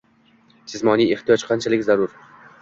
Jismoniy ehtiyoj qanchalik zarur.